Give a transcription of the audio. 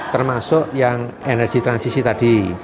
termasuk yang energi transisi tadi